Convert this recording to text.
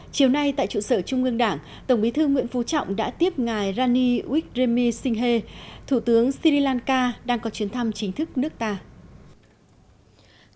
chiều nay tại trụ sở trung ương đảng tổng bí thư nguyễn phú trọng đã tiếp ngài rani wik dremi singhe thủ tướng sri lanka đang có chuyến thăm chính thức nước ta